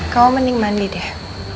kau mending mandi deh